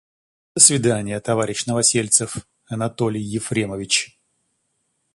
До свиданья, товарищ Новосельцев, Анатолий Ефремович.